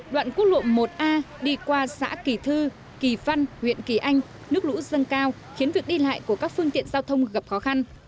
đoạn quốc lộ một a đi qua xã kỳ thư kỳ văn huyện kỳ anh nước lũ dâng cao khiến việc đi lại của các phương tiện giao thông gặp khó khăn